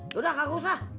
yaudah kagak usah